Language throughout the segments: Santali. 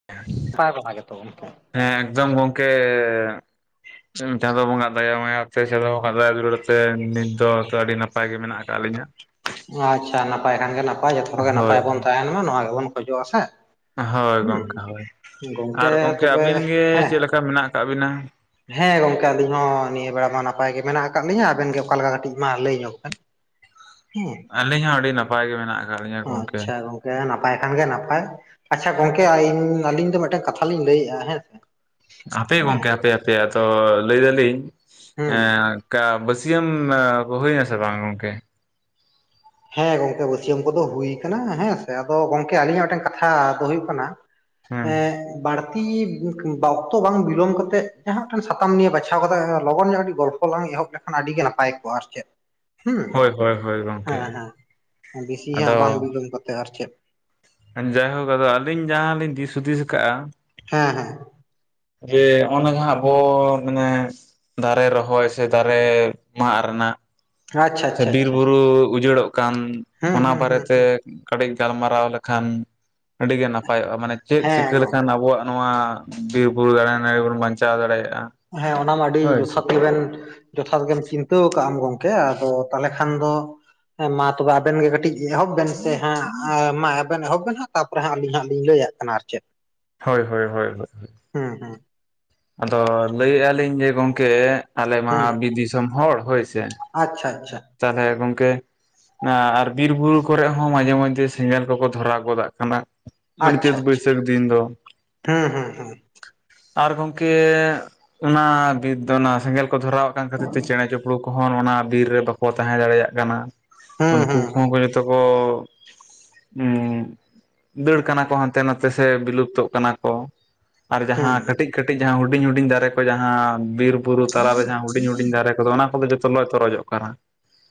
[unintelligible] [unintelligible] ᱦᱮᱸ ᱮᱠᱫᱚᱢ ᱜᱚᱝᱠᱮ ᱪᱟᱸᱫᱚ ᱵᱚᱸᱜᱣᱟᱜ ᱫᱟᱭᱟ ᱢᱟᱭᱟ ᱛᱮ ᱪᱟᱸᱫᱚ ᱵᱚᱸᱜᱟᱣᱟᱜ ᱫᱟᱭᱟ ᱫᱩᱞᱟᱹᱲ ᱛᱮ ᱱᱤᱛ ᱫᱚ ᱟᱹᱰᱤ ᱱᱟᱯ ᱱᱟᱯᱟᱭ ᱜᱮ ᱢᱮᱱᱟᱜ ᱟᱠᱟᱫ ᱞᱤᱧᱟ ᱟᱪᱪᱷᱟ ᱱᱟᱯᱟᱭ ᱠᱷᱟᱱ ᱜᱮ ᱱᱟᱯᱟᱭ ᱡᱚᱛᱚ ᱦᱚᱲᱮ ᱦᱳᱭ ᱱᱟᱯᱟᱭ ᱵᱚᱱ ᱛᱟᱦᱮᱱ ᱢᱟ ᱱᱚᱣᱟ ᱜᱮᱵᱚᱱ ᱠᱷᱚᱡᱚᱜᱼᱟ ᱥᱮ ᱦᱳᱭ ᱜᱚᱢᱠᱮ ᱦᱩᱸ ᱦᱳᱭ ᱟᱨ ᱜᱚᱝᱠᱮ ᱜᱚᱢᱠᱮ ᱛᱚᱵᱮ ᱟᱹᱵᱤᱱ ᱜᱮ ᱦᱮᱸ ᱪᱮᱫ ᱞᱮᱠᱟ ᱢᱮᱱᱟᱜ ᱟᱠᱟᱜ ᱵᱤᱱᱟ ᱦᱮᱸ ᱜᱚᱝᱠᱮ ᱟᱞᱤᱧ ᱦᱚᱸ ᱱᱤᱭᱟᱹ ᱵᱮᱲᱟ ᱢᱟ ᱱᱟᱯᱟᱭ ᱜᱮ ᱢᱮᱱᱟᱜ ᱟᱠᱟᱫ ᱞᱤᱧᱟᱹ ᱟᱵᱮᱱ ᱜᱮ ᱚᱠᱟ ᱞᱮᱠᱟ ᱠᱟᱹᱴᱤᱡ ᱢᱟ ᱞᱟᱹᱭ ᱧᱚᱜ ᱵᱮᱱ ᱦᱮᱸ ᱟᱹᱞᱤᱧ ᱦᱚᱸ ᱟᱹᱰᱤ ᱱᱟᱯ ᱱᱟᱯᱟᱭ ᱜᱮ ᱢᱮᱱᱟᱜ ᱟᱠᱟᱫ ᱞᱤᱧᱟᱹ ᱜᱚᱝᱠᱮ ᱟᱪᱪᱷᱟ ᱜᱚᱝᱠᱮ ᱱᱟᱯᱟᱭ ᱠᱷᱟᱱ ᱜᱮ ᱱᱟᱯᱟᱭ ᱟᱪᱪᱷᱟ ᱜᱚᱝᱠᱮ ᱤᱧ ᱟᱞᱤᱧ ᱫᱚ ᱢᱤᱫᱴᱟᱝ ᱠᱟᱛᱷᱟ ᱠᱟᱛᱷᱟᱞᱤᱧ ᱞᱟᱹᱭᱮᱜᱼᱟ ᱦᱮᱸ ᱥᱮ ᱦᱟᱯᱮ ᱦᱮᱸ ᱜᱚᱝᱠᱮ ᱦᱟᱯᱮ ᱦᱟᱯᱮ ᱟᱫᱚ ᱞᱟᱹᱭ ᱫᱟᱹᱞᱤᱧ ᱦᱩᱸ ᱮᱸ ᱠᱟ ᱵᱟᱹᱥᱭᱢ ᱦᱩᱭᱱᱟ ᱥᱮ ᱵᱟᱝ ᱜᱚᱢᱠᱮ? ᱦᱮᱸ ᱜᱚᱝᱠᱮ ᱵᱟᱹᱥᱭᱟᱹᱢ ᱠᱚᱫᱚ ᱦᱩᱭ ᱠᱟᱱᱟ ᱦᱮᱸ ᱥᱮ ᱟᱫᱚ ᱜᱚᱝᱠᱮ ᱟᱹᱞᱤᱧᱟᱜ ᱢᱤᱫᱴᱮᱱ ᱠᱟᱛᱷᱟ ᱫᱚ ᱦᱩᱭᱩᱜ ᱠᱟᱱᱟ ᱦᱮᱸ ᱮᱸᱜ ᱵᱟᱲ ᱵᱟᱲᱛᱤ ᱚᱠᱛᱚ ᱵᱟᱝ ᱵᱤᱞᱚᱢ ᱠᱟᱛᱮ ᱡᱟᱦᱟᱸ ᱢᱤᱫᱴᱮᱱ ᱥᱟᱛᱟᱢ ᱱᱤᱭᱮ ᱵᱟᱪᱷᱟᱣ ᱠᱟᱛᱮ ᱞᱚᱜᱚᱱ ᱧᱚᱜ ᱠᱟᱴᱤᱡ ᱜᱚᱞᱯᱷᱚ ᱞᱟᱝ ᱮᱦᱚᱵ ᱞᱮᱠᱷᱟᱱ ᱠᱷᱟᱱ ᱟᱹᱰᱤ ᱜᱮ ᱱᱟᱯᱟᱭ ᱠᱚᱜᱼᱟ ᱟᱨ ᱪᱮᱫ ᱦᱩᱸ ᱦᱳᱭ ᱦᱳᱭ ᱦᱳᱭ ᱜᱚᱝᱠ ᱦᱮᱸ ᱦᱮᱸ ᱵᱮᱥᱤ ᱦᱟᱸᱜ ᱵᱟᱝ ᱵᱤᱞᱚᱢ ᱠᱟᱛᱮ ᱟᱨ ᱪᱮᱫ ᱡᱟᱭᱦᱳᱠ ᱟᱫᱚ ᱟᱹᱞᱤᱧ ᱡᱟᱦᱟᱸ ᱞᱤᱧ ᱫᱤᱥ ᱦᱩᱫᱤᱥ ᱠᱟᱜᱼᱟ ᱦᱮᱸ ᱦᱮᱸ ᱡᱮ ᱦᱚᱜ-ᱚᱱᱟ ᱡᱟᱸᱦᱟ ᱟᱵᱚ ᱢᱟᱱᱮ ᱫᱟᱨᱮ ᱨᱚᱦᱚᱭ ᱥᱮ ᱫᱟᱨᱮ ᱢᱟᱜ ᱨᱮᱱᱟᱜ ᱟᱪᱪᱷᱟ ᱥᱮ ᱟᱪᱪᱷᱟ ᱵᱤᱨ ᱟᱪᱪᱷᱟ ᱵᱩᱨᱩ ᱩᱡᱟᱹᱲᱚᱜ ᱠᱟᱱ ᱦᱩᱸ ᱚᱱᱟ ᱦᱩᱸ ᱵᱟᱨᱮ ᱦᱩᱸ ᱛᱮ ᱦᱩᱸ ᱠᱟᱹᱴᱤᱡ ᱜᱟᱞᱢᱟᱨᱟᱣ ᱞᱮᱠᱷᱟᱱ ᱟᱹᱰᱤ ᱜᱮ ᱱᱟᱯᱟᱭᱚᱜᱼᱟ ᱢᱟᱱᱮ ᱪᱮᱫ ᱦᱮᱸ ᱪᱤᱠᱟᱹ ᱞᱮ ᱠᱷᱟᱱ ᱜᱚᱝᱠᱮ ᱟᱵᱚᱣᱟᱜ ᱱᱚᱣᱟ ᱵᱤᱨ ᱵᱩᱨᱩ ᱫᱟᱨᱮ ᱱᱟᱹᱲᱤ ᱵᱚᱱ ᱵᱟᱧᱪᱟᱣ ᱫᱟᱲᱮᱭᱟᱜᱼᱟ ᱦᱮᱸ ᱚᱱᱟ ᱢᱟ ᱟᱹᱰᱤ ᱦᱳᱭ ᱥᱮ ᱡᱚᱛᱷᱟᱛ ᱜᱮᱵᱮᱱ ᱡᱚᱛᱷᱟᱛ ᱜᱮᱢ ᱪᱤᱱᱛᱟᱹᱣᱟᱠᱟᱜ ᱟᱢ ᱜᱚᱢᱠᱮ ᱟᱫᱚ ᱛᱟᱦᱞᱮ ᱠᱷᱟᱱ ᱫᱚ ᱦᱮᱸ ᱢᱟ ᱛᱚᱵᱮ ᱟᱵᱮᱱ ᱜᱮ ᱠᱟᱹᱴᱤᱡ ᱮᱦᱚᱵ ᱵᱮᱱ ᱥᱮ ᱦᱟᱸᱜ ᱢᱟ ᱟᱵᱮᱱ ᱮᱦᱚᱵ ᱵᱮᱱ ᱦᱟᱸᱜ ᱛᱟ ᱛᱟ ᱦᱟᱸᱜ ᱟᱹᱞᱤᱧ ᱦᱟᱸᱜ ᱞᱤᱧ ᱞᱟᱹᱭᱟᱜ ᱠᱟᱱᱟ ᱟᱨ ᱪᱮᱫ ᱦᱳᱭ ᱦᱳᱭ ᱦᱳᱭ ᱦᱳᱭ ᱦᱩᱸ ᱦᱩᱸ ᱟᱫᱚ ᱞᱟᱹᱭᱮᱫ ᱟᱞᱤᱧ ᱡᱮ ᱜᱚᱝᱠᱮ ᱟᱞᱮ ᱢᱟ ᱦᱩᱸ ᱵᱤᱨ ᱫᱤᱥᱚᱢ ᱦᱚᱲ, ᱦᱳᱭ ᱥᱮ᱾ ᱟᱪᱪᱷᱟ ᱟᱪᱪᱷᱟ᱾ ᱛᱟᱦᱚᱞᱮ ᱜᱚᱢᱠᱮ ᱟᱨ ᱵᱤᱨ ᱵᱩᱨᱩ ᱠᱚᱨᱮ ᱦᱚᱸ ᱢᱟᱡᱷᱮ ᱢᱚᱫᱫᱷᱮ ᱥᱮᱸᱜᱮᱞ ᱠᱚᱠᱚ ᱫᱷᱚᱨᱟᱣ ᱜᱚᱫᱟᱜ ᱠᱟᱱᱟ᱾ ᱢᱟᱱᱮ ᱟᱪᱪᱷᱟ ᱪᱟᱹᱛ ᱟᱪᱪᱷᱟ ᱵᱟᱹᱭᱥᱟᱹᱠᱷ ᱫᱤᱱ ᱫᱚ ᱦᱩᱸ ᱦᱩᱸ ᱦᱩᱸ ᱟᱨ ᱜᱚᱢᱠᱮ ᱚᱱᱟ ᱵᱤᱨ ᱫᱚ ᱚᱱᱟ ᱥᱮᱸᱜᱮᱞ ᱠᱚ ᱫᱷᱚᱨᱟᱣ ᱠᱟᱱ ᱠᱷᱟᱹᱛᱤᱨ ᱛᱮ ᱪᱮᱬᱮ ᱪᱤᱯᱲᱩ ᱠᱚᱦᱚᱸ ᱚᱱᱟ ᱵᱤᱨ ᱨᱮ ᱵᱟ ᱠᱚ ᱛᱟᱦᱮᱸ ᱫᱟᱲᱮᱭᱟᱜ ᱠᱟᱱᱟ᱾ ᱦᱩᱸ ᱩᱱᱠᱩ ᱦᱩᱸ ᱠᱚᱦᱚᱸ ᱠᱚ ᱡᱚᱛᱚ ᱠᱚ ᱩᱸ ᱫᱟᱹᱲ ᱠᱟᱱᱟ ᱠᱚ ᱦᱟᱱᱛᱮ ᱱᱟᱛᱮ ᱥᱮ ᱵᱤᱞᱩᱯᱛᱚᱜ ᱠᱟᱱᱟ ᱠᱚ᱾ ᱟᱨ ᱦᱩᱸ ᱡᱟᱦᱟᱸ ᱠᱟᱹᱴᱤᱡ ᱠᱟᱹᱴᱤᱡ ᱡᱟᱦᱟᱸ ᱦᱩᱰᱤᱧ ᱦᱩᱰᱤᱧ ᱫᱟᱨᱮ ᱠᱚ ᱡᱟᱦᱟᱸ ᱵᱤᱨ ᱵᱩᱨᱩ ᱛᱟᱞᱟᱨᱮ ᱡᱟᱦᱟᱸ ᱦᱩᱰᱤᱧ ᱦᱩᱰᱤᱧ ᱫᱟᱨᱮ ᱠᱚᱫᱚ ᱚᱱᱟ ᱠᱚᱫᱚ ᱡᱚᱛᱚ ᱞᱚ ᱛᱚᱨᱚᱡᱚᱜ ᱠᱟᱱᱟ᱾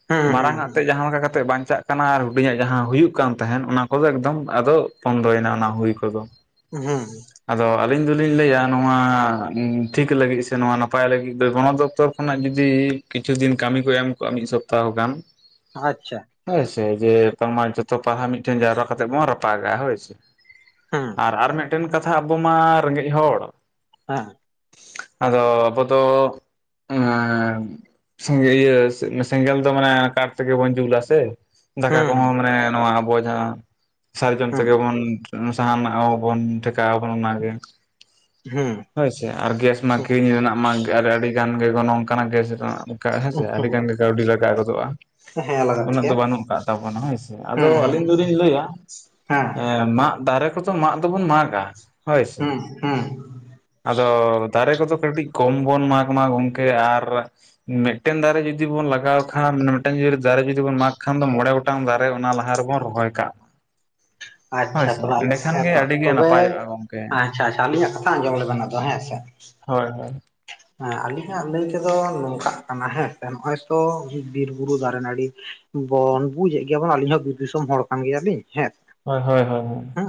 ᱦᱩᱸ ᱦᱩᱸ ᱢᱟᱨᱟᱝ ᱟᱜ ᱛᱮᱫ ᱡᱟᱦᱟᱸ ᱞᱮᱠᱟ ᱠᱟᱛᱮᱜ ᱵᱟᱧᱪᱟᱜ ᱠᱟᱱᱟ, ᱟᱨ ᱦᱩᱰᱤᱧᱟᱜ ᱡᱟᱦᱟᱸ ᱦᱩᱭᱩᱜ ᱠᱟᱱ ᱛᱟᱦᱮᱸᱱ ᱚᱱᱟ ᱠᱚᱫᱚ ᱮᱠᱫᱚᱢ ᱟᱫᱚ ᱵᱚᱱᱫᱚᱭ ᱮᱱᱟ ᱚᱱᱟ ᱦᱩᱭ ᱠᱚᱫᱚ᱾ ᱦᱩᱸ ᱟᱫᱚ ᱟᱹᱞᱤᱧ ᱫᱚᱞᱤᱧ ᱞᱟᱹᱭᱟ, ᱱᱚᱣᱟ ᱴᱷᱤᱠ ᱞᱟᱹᱜᱤᱫ ᱥᱮ ᱱᱚᱣᱟ ᱱᱟᱯᱟᱭ ᱞᱟᱹᱜᱤᱫ ᱫᱚ ᱵᱚᱱᱚᱫᱚᱯᱛᱚᱨ ᱠᱷᱚᱱᱟᱜ ᱡᱩᱫᱤ ᱠᱤᱪᱷᱩ ᱫᱤᱱ ᱠᱟᱹᱢᱤ ᱠᱚ ᱮᱢ ᱠᱚᱜᱼᱟ ᱢᱤᱫ ᱥᱚᱯᱛᱟᱦᱚ ᱜᱟᱱ ᱟᱪᱪᱷᱟ ᱾ ᱦᱳᱭ ᱥᱮ ᱡᱮ ᱱᱮᱛᱟᱨ ᱢᱟ ᱡᱚᱛᱚ ᱯᱟᱞᱦᱟ ᱢᱤᱫᱴᱷᱮᱱ ᱡᱟᱣᱨᱟ ᱠᱟᱛᱮ ᱵᱚᱱ ᱨᱟᱯᱟᱜᱟ ᱦᱳᱭ ᱥᱮ ᱦᱩᱸ ᱾ ᱟᱨ ᱟᱨ ᱢᱮᱫᱴᱮᱱ ᱠᱟᱛᱷᱟ ᱟᱵᱚ ᱢᱟ ᱨᱮᱸᱜᱮᱡ ᱦᱚᱲ ᱦᱮᱸ᱾ ᱟᱫᱚ ᱟᱵᱚ ᱫᱚ ᱮᱻ ᱥᱚᱝᱜᱮ ᱤᱭᱟᱹ ᱥᱮᱸᱜᱮᱞ ᱫᱚ ᱢᱟᱱᱮ ᱠᱟᱴ ᱛᱮᱜᱮ ᱵᱚᱱ ᱡᱩᱞᱟ ᱥᱮ ᱫᱟᱠᱟ ᱦᱩᱸ ᱦᱩᱸ ᱠᱚᱦᱚᱸ ᱢᱟᱱᱮ ᱱᱚᱣᱟ ᱟᱵᱚ ᱡᱟᱸᱦᱟ ᱥᱟᱨᱡᱚᱢ ᱛᱮᱜᱮ ᱵᱚᱱ ᱥᱟᱦᱟᱱᱟᱜ ᱦᱚᱵᱚᱱ ᱴᱷᱮᱠᱟᱹᱣ ᱟᱠᱟᱱᱟ ᱚᱱᱟ ᱜᱮ᱾ ᱦᱩᱸ ᱦᱳᱭ ᱥᱮ ᱟᱨ ᱜᱮᱥ ᱢᱟ ᱦᱩᱸ ᱠᱤᱨᱤᱧ ᱨᱮᱱᱟᱜ ᱢᱟ ᱟᱹᱰᱤ ᱟᱹᱰᱤ ᱜᱟᱱ ᱜᱮ ᱜᱚᱱᱚᱝ ᱠᱟᱱᱟ᱾ ᱜᱮᱥ ᱨᱮᱱᱟᱜ ᱦᱮᱸ ᱥᱮ ᱟᱹᱰᱤ ᱦᱩᱸ ᱜᱟᱱ ᱜᱮ ᱠᱟᱹᱣᱰᱤ ᱞᱟᱜᱟᱣ ᱜᱚᱫᱚᱜᱼᱟ᱾ ᱦᱮᱸ ᱞᱟᱜᱟᱜ ᱩᱱᱟᱹᱜ ᱫᱚ ᱜᱮᱭᱟ ᱵᱟᱹᱱᱩᱜ ᱠᱟᱜ ᱛᱟᱵᱚᱱᱟ ᱦᱳᱭ ᱥᱮ ᱾ ᱟᱫᱚ ᱦᱩᱸ ᱦᱩᱸ ᱟᱹᱞᱤᱧ ᱫᱚᱞᱤᱧ ᱞᱟᱹᱭᱟ ᱦᱮᱸ ᱢᱟᱜ ᱫᱟᱨᱮ ᱠᱚᱫᱚ ᱢᱟᱜ ᱫᱚᱵᱚᱱ ᱢᱟᱜᱼᱟ ᱦᱳᱭ ᱥᱮ ᱦᱩᱸ ᱦᱩᱸ ᱟᱫᱚ ᱫᱟᱨᱮ ᱠᱚᱫᱚ ᱠᱟᱹᱴᱤᱡ ᱠᱚᱢ ᱵᱚᱱ ᱢᱟᱜ ᱢᱟ ᱜᱚᱢᱠᱮ ᱟᱨ ᱢᱮᱫᱴᱮᱱ ᱫᱟᱨᱮ ᱡᱩᱫᱤ ᱡᱩᱫᱤ ᱵᱚᱱ ᱞᱟᱜᱟᱣ ᱠᱷᱟᱱ ᱢᱮᱫᱴᱟᱝ ᱡᱩᱫᱤ ᱫᱟᱨᱮ ᱡᱩᱫᱤ ᱵᱚᱱ ᱢᱟᱜ ᱠᱷᱟᱱ ᱫᱚ, ᱢᱚᱬᱮ ᱜᱚᱴᱟᱝ ᱫᱟᱨᱮ ᱚᱱᱟ ᱞᱟᱦᱟ ᱨᱮᱵᱚᱱ ᱨᱚᱦᱚᱭ ᱠᱟᱜ [unintelligible] ᱢᱟ ᱦᱳᱭ ᱟᱪᱪᱷᱟ ᱥᱮ ᱛᱚᱵᱮ ᱮᱸᱰᱮᱠᱷᱟᱱ ᱦᱮᱸ ᱜᱮ ᱛᱚ ᱟᱹᱰᱤ ᱜᱮ ᱛᱚᱵᱮ ᱱᱟᱯᱟᱭᱚᱜᱼᱟ ᱜᱚᱢᱠᱮ ᱟᱪᱪᱷᱟ ᱟᱪᱪᱷᱟ ᱟᱞᱤᱧᱟᱜ ᱠᱟᱛᱷᱟ ᱟᱸᱡᱚᱢ ᱞᱮᱵᱮᱱ ᱟᱹᱫᱚ ᱦᱮᱸ ᱥᱮ ᱦᱳᱭ ᱦᱳᱭ᱾ ᱦᱮᱸ ᱟᱹᱞᱤᱧᱟᱜ ᱞᱟᱹᱭ ᱛᱮᱫᱚ ᱱᱚᱝᱠᱟᱜ ᱠᱟᱱᱟ ᱦᱮᱸ ᱥᱮ, ᱱᱚᱜᱼᱚᱭ ᱛᱚ ᱵᱤᱨ ᱵᱩᱨᱩ ᱫᱟᱨᱮ ᱱᱟᱹᱲᱤ ᱵᱚᱱ ᱵᱩᱡ ᱮᱫ ᱜᱮᱭᱟ ᱵᱚᱱ, ᱟᱹᱞᱤᱧ ᱦᱚᱸ ᱵᱤᱨ ᱫᱤᱥᱚᱢ ᱦᱚᱲ ᱠᱟᱱ ᱜᱮᱭᱟ ᱞᱤᱧ ᱦᱮᱸ ᱦᱳᱭ ᱦᱳᱭ ᱦᱳᱭ ᱾ ᱦᱮᱸ